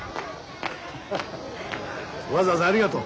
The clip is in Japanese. わざわざありがとう。